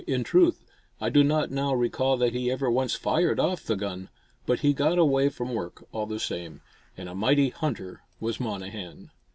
In truth, I do not now recall that he ever once fired off the gun. But he got away from work, all the same, and a mighty hunter was Monnehan.